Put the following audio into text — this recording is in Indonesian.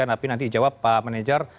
tapi nanti dijawab pak manajer